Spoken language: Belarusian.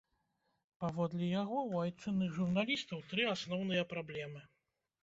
Паводле яго, у айчынных журналістаў тры асноўныя праблемы.